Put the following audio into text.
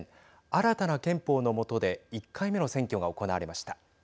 新たな憲法の下で１回目の選挙が行われました。